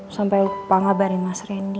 sampai pangabarin mas rendi